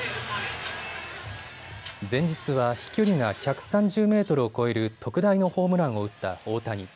前日は飛距離が１３０メートルを超える特大のホームランを打った大谷。